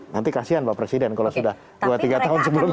nanti kasian pak presiden kalau sudah dua tiga tahun sebelumnya